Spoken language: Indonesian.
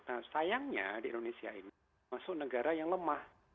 nah sayangnya di indonesia ini masuk negara yang lemah